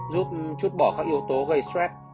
giúp chút bỏ các yếu tố gây stress